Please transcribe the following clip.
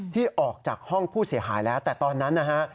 ที่ออกจากห้องผู้เสียหายแล้วแต่ตอนนั้นนะฮะ